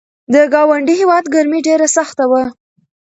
د ګاونډي هیواد ګرمي ډېره سخته وه.